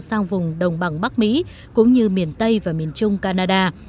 sang vùng đồng bằng bắc mỹ cũng như miền tây và miền trung canada